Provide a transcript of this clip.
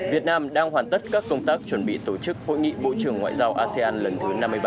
việt nam đang hoàn tất các công tác chuẩn bị tổ chức hội nghị bộ trưởng ngoại giao asean lần thứ năm mươi bảy